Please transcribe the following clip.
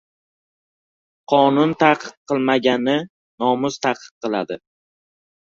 Qonun taqiq qilmaganni nomus taqiq qiladi.